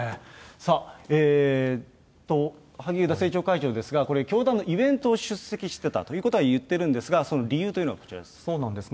さあ、萩生田政調会長ですが、これ教団のイベントを出席していたということは言ってるんですが、その理由というのはこちらです。